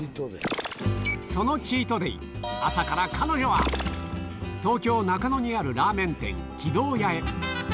そのチートデー、朝から彼女は、東京・中野にあるラーメン店、輝道家へ。